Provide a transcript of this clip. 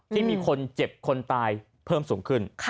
ที่มีคนเจ็บคนตายเพิ่มสูงขึ้น